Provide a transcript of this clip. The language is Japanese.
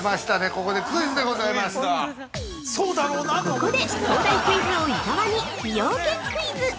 ◆ここで東大クイズ王伊沢に、崎陽軒クイズ！